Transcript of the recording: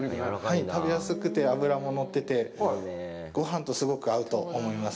食べやすくて、脂も乗ってて、ごはんとすごく合うと思います。